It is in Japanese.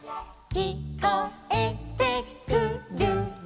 「きこえてくるよ」